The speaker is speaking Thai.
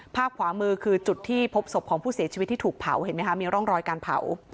ภาพขวามือคือจุดที่พบศพของผู้เสียชีวิตที่ถูกเผาเห็นไหมคะมีร่องรอยการเผา